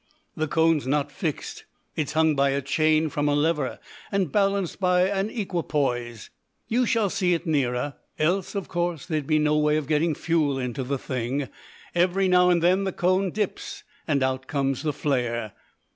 "The cone's not fixed, it's hung by a chain from a lever, and balanced by an equipoise. You shall see it nearer. Else, of course, there'd be no way of getting fuel into the thing. Every now and then the cone dips, and out comes the flare."